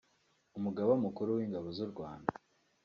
Umugaba Mukuru w’Ingabo z’u Rwanda